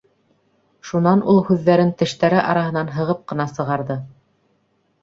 Шунан ул һүҙҙәрен тештәре араһынан һығып ҡына сығарҙы: